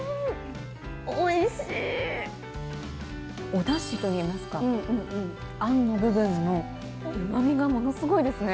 おだしと言いますか、あんの部分もうまみがものすごいですね。